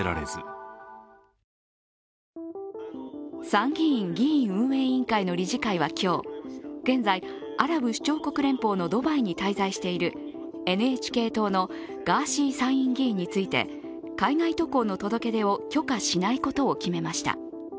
参議院議院運営委員会の理事会は今日、現在、アラブ首長国連邦のドバイに滞在しているＮＨＫ党のガーシー参院議員について海外渡航の届け出を許可しないことを決めました。